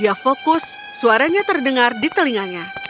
ia fokus suaranya terdengar di telinganya